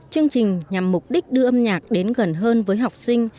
chương trình nhằm mục đích đưa âm nhạc đến gần hơn với học sinh